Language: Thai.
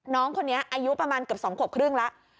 น้องคนนี้อายุประมาณเกือบ๒ขวบครึ่งแล้ว